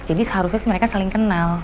jadi seharusnya sih mereka saling kenal